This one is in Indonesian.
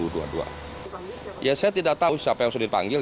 saya tidak tahu siapa yang sudah dipanggil